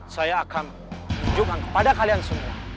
saya akan tunjukkan kepada kalian semua